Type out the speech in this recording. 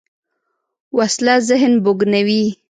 وسله ذهن بوږنوې